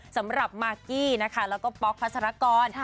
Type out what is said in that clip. สำหรับมากกี้นะคะแล้วก็ป๊อกพัศรกร